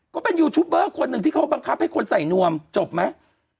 ก็เป็นยูทูบเบอร์คนหนึ่งที่เขาบังคับให้คนใส่นวมจบไหม